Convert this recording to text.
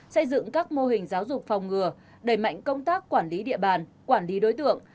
xây dựng các mô hình giáo dục phòng ngừa đẩy mạnh công tác quản lý địa bàn quản lý đối tượng